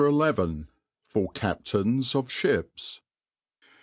XL For CAPTAINS of SHIPS.